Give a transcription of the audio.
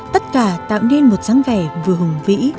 tất cả tạo nên một dáng vẻ vừa hùng vĩ